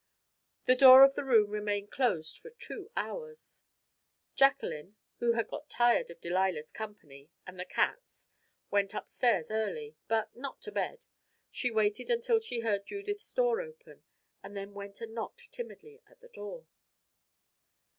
The door of the room remained closed for two hours. Jacqueline, who had got tired of Delilah's company and the cat's, went up stairs early, but not to bed. She waited until she heard Judith's door open, and then went and knocked timidly at the door.